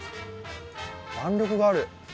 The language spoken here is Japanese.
弾力がある。